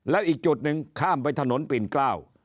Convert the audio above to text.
แล้วอีกจุดหนึ่งข้ามไปถนนปิ่นเกล้า